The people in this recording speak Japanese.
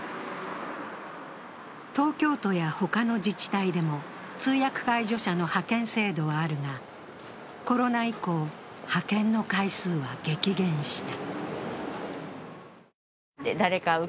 東京都や他の自治体でも通訳介助者の派遣制度はあるが、コロナ以降、派遣の回数は激減した。